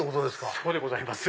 そうでございます